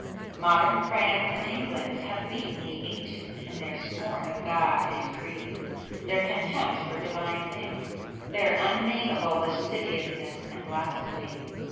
Modern France and England have beaten the ancients in their scorn of God and creed, their contempt for divine things, their unnameable lasciviousness and blasphemy.